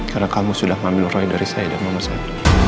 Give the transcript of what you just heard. karena kamu sudah mengambil roy dari saya dan mama saya